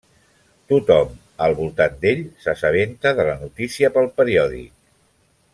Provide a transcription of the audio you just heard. Tothom al voltant d'ell s'assabenta de la notícia pel periòdic.